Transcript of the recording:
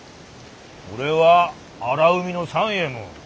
俺は荒海ノ三右衛門。